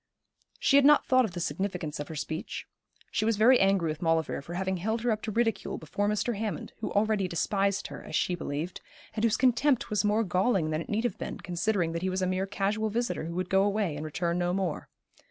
She had not thought of the significance of her speech. She was very angry with Maulevrier for having held her up to ridicule before Mr. Hammond, who already despised her, as she believed, and whose contempt was more galling than it need have been, considering that he was a mere casual visitor who would go away and return no more.